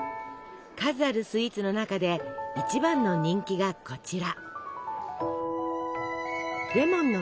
数あるスイーツの中で一番の人気がこちら。